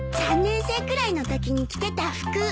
３年生くらいのときに着てた服。